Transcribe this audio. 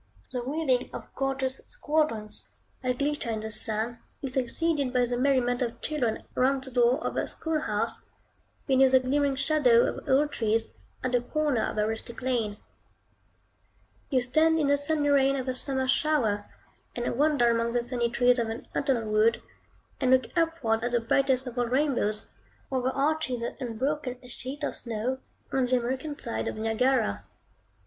The wheeling of gorgeous squadrons, that glitter in the sun, is succeeded by the merriment of children round the door of a school house, beneath the glimmering shadow of old trees, at the corner of a rustic lane. You stand in the sunny rain of a summer shower, and wander among the sunny trees of an autumnal wood, and look upward at the brightest of all rainbows, overarching the unbroken sheet of snow, on the American side of Niagara.